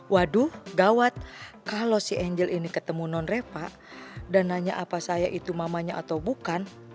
waduh gawat kalau si angel ini ketemu non repa dan nanya apa saya itu mamanya atau bukan